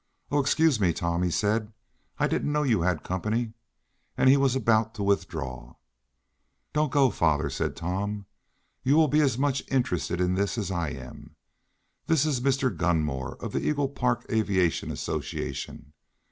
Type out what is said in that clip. "Oh! Excuse me, Tom," he said, "I didn't know you had company." And he was about to withdraw. "Don't go, father," said Tom. "You will be as much interested in this as I am. This is Mr. Gunmore, of the Eagle Park Aviation Association.